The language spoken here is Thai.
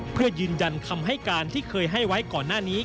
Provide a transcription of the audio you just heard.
เพื่อยืนยันคำให้การที่เคยให้ไว้ก่อนหน้านี้